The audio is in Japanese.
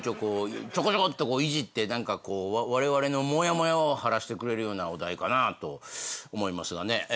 ちょこちょこっていじってわれわれのもやもやを晴らしてくれるようなお題かなと思いますがね。